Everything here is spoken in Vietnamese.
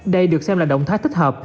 đây được xem là động thái thích hợp